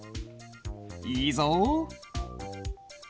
いいぞ。